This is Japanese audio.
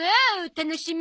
楽しみ。